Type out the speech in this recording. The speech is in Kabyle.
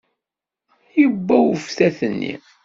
Yewwa uftat-nni.